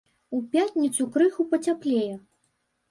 У пятніцу крыху пацяплее.